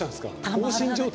放心状態。